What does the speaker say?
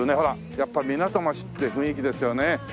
やっぱ港町って雰囲気ですよね。